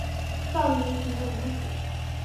赵元杰无子。